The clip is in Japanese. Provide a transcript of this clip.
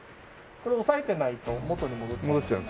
これ押さえてないと元に戻っちゃう。